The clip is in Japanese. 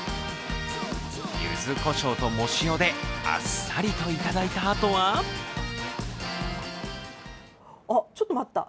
ゆずこしょうと藻塩であっさりといただいたあとはあっ、ちょっと待った。